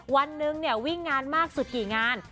วันหนึ่งเนี่ยวิ่งงานมากสุดกี่งาน